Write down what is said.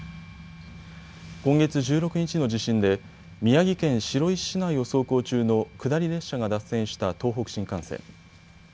今月１６日の地震で宮城県白石市内を走行中の下り列車が脱線した東北新幹線。